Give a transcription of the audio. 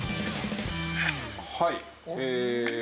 はい。